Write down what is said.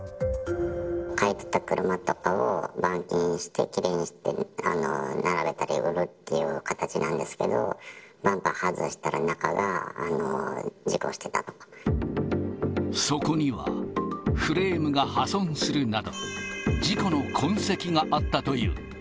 買い取った車とかを、板金して、きれいにして並べたり売るっていう形なんですけど、バンパー外したら、そこには、フレームが破損するなど、事故の痕跡があったという。